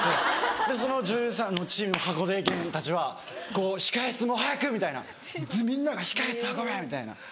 その女優さんのチーム箱根駅伝たちはこう「控室もう早く！」みたいなみんなが「控室運べ」みたいな。